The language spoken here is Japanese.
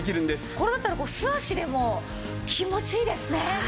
これだったら素足でも気持ちいいですね。